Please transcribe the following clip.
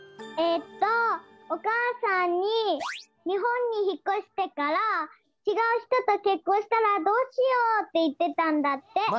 えっとおかあさんに日本にひっこしてからちがう人と結婚したらどうしよう？っていってたんだって。